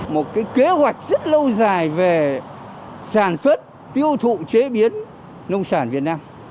một cái kế hoạch rất lâu dài về sản xuất tiêu thụ chế biến nông sản việt nam